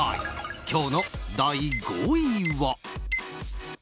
今日の第５位は。